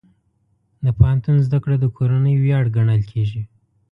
د پوهنتون زده کړه د کورنۍ ویاړ ګڼل کېږي.